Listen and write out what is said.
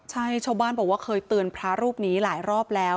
ใช่ชาวบ้านบอกว่าเคยเตือนพระรูปนี้หลายรอบแล้ว